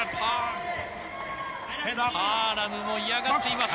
パアラムも嫌がっています。